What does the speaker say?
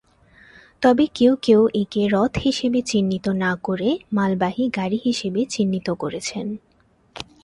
তবে কেউ কেউ একে রথ হিসেবে চিহ্নিত না করে, মালবাহী গাড়ি হিসেবে চিহ্নিত করেছেন।